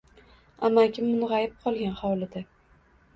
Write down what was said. Amakim mung‘ayib qolgan hovlida